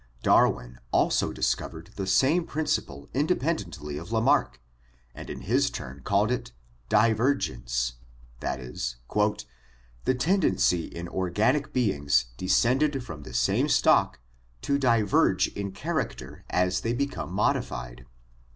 Darwin also discovered the same principle independently of Lamarck and in his turn called it "divergence" — that is, "the tendency in organic beings descended from the same stock to diverge in character as they become modified.